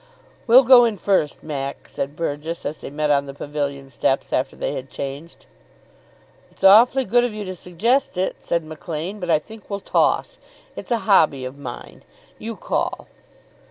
"We'll go in first, Mac," said Burgess, as they met on the pavilion steps after they had changed. "It's awfully good of you to suggest it," said Maclaine. "but I think we'll toss. It's a hobby of mine. You call."